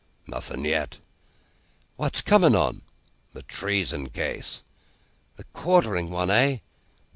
"Nothing yet." "What's coming on?" "The Treason case." "The quartering one, eh?"